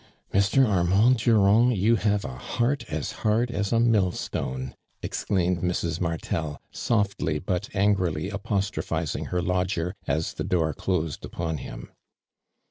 " Mr. Armand Durand you have a heart as haixi as a mill stone!" exclaimed Mrs. Martel, softly but angrily apostrophizing her lodger as the door closed upon him.